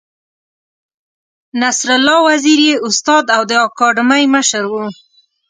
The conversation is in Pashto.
نصرالله وزیر یې استاد او د اکاډمۍ مشر و.